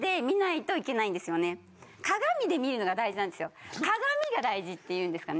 鏡で見るのが大事なんですよ。